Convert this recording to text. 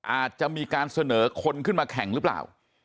อาจจะมีการเสนอคนขึ้นมาแข่งหรือเปล่า